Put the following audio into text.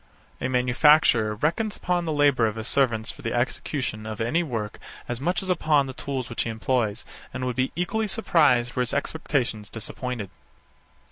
A manufacturer reckons upon the labour of his servants for the execution of any work as much as upon the tools which he employs, and would be equally surprised were his expectations disappointed.